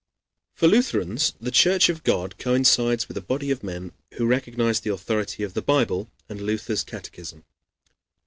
] For Lutherans the Church of God coincides with a body of men who recognize the authority of the Bible and Luther's catechism.